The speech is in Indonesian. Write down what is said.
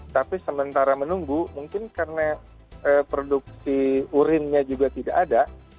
tapi sementara menunggu mungkin karena produksi urinnya juga tidak ada